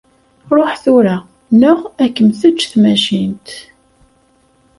Ṛuḥ tura, neɣ ad kem-teǧǧ tmacint.